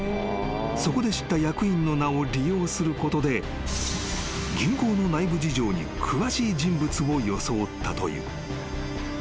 そこで知った役員の名を利用することで銀行の内部事情に詳しい人物を装ったという］